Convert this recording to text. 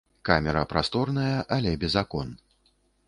Камера прасторная, але без акон.